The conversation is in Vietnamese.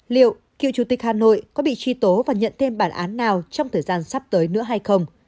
liệu cựu chủ tịch hà nội có bị truy tố và nhận thêm bản án nào trong thời gian sắp tới nữa hay không